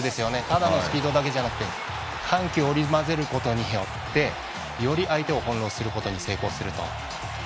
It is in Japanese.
ただのスピードだけじゃなくて緩急織り交ぜることによってより相手を翻弄することに成功すると。